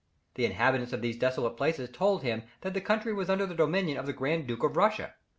The inhabitants of these desolate places told him that the country was under the dominion of the Grand Duke of Russia.